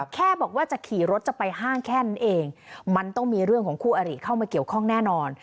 แค่บอกว่าจะขี่รถจะไปห้างแค่นั้นเองมันต้องมีเรื่องของคู่อริเข้ามาเกี่ยวข้องแน่นอน